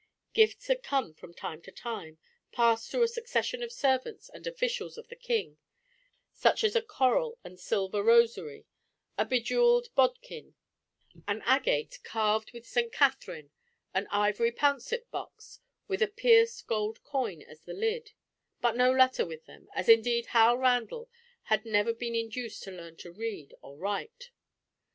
Gifts had come from time to time, passed through a succession of servants and officials of the king, such as a coral and silver rosary, a jewelled bodkin, an agate carved with St. Catherine, an ivory pouncet box with a pierced gold coin as the lid; but no letter with them, as indeed Hal Randall had never been induced to learn to read or write.